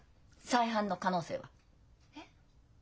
再犯の可能性は？えっ？